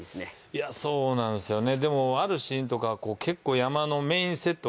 いやそうなんすよね